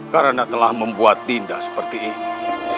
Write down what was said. karena telah membuat dinda seperti ini